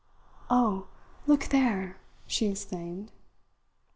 "Oh look there!" she exclaimed.